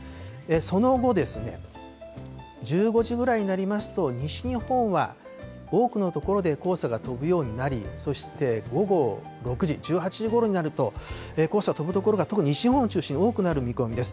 その後、１５時ぐらいになりますと、西日本は多くの所で黄砂が飛ぶようになり、そして、午後６時、１８時ごろになると、黄砂飛ぶ所が、特に西日本を中心に多くなる見込みです。